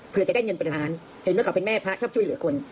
เพื่อจะได้เงินเป็นล้านเห็นว่าเขาเป็นแม่พระชอบช่วยเหลือคน